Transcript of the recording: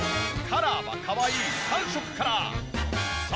カラーはかわいい３色から。